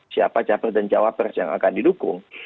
siapa capres dan cawapres yang akan didukung